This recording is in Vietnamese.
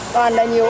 toàn là nhiều